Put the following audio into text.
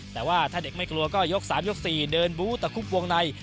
แต่ว่าถ้าเด็กไม่กลัวก็ยก๓ยก๔เดินบู้ตะคุบวงใน